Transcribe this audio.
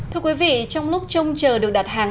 thưa quý vị trong lúc trông chờ được đặt hàng